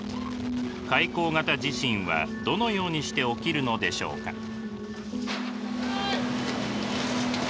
海溝型地震はどのようにして起きるのでしょうか。